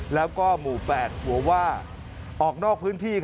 แล้วก็หมู่๘หัวว่าออกนอกพื้นที่